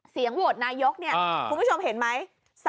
เสียงโหวตนายกเนี่ยคุณผู้ชมเห็นไหม